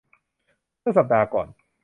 เมื่อสัปดาห์ก่อน